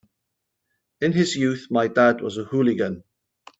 In his youth my dad was a hooligan.